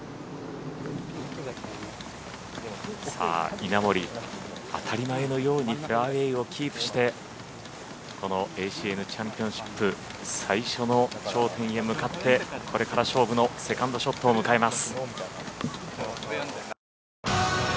稲森、当たり前のようにフェアウエーをキープしてこのＡＣＮチャンピオンシップ最初の頂点へ向かってこれから勝負のセカンドショットを迎えます。